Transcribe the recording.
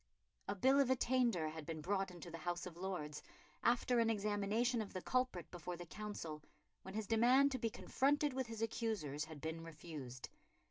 A Bill of Attainder had been brought into the House of Lords, after an examination of the culprit before the Council, when his demand to be confronted with his accusers had been refused.